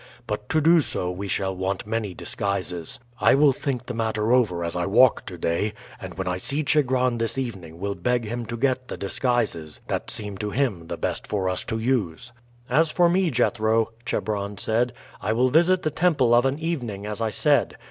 But to do so we shall want many disguises. I will think the matter over as I walk to day, and when I see Chigron this evening will beg him to get the disguises that seem to him the best for us to use." "As for me, Jethro," Chebron said, "I will visit the temple of an evening, as I said.